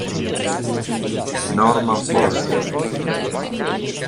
Norman Foster